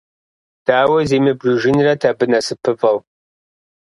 Дауэ зимыбжыжынрэт абы насыпыфӀэу!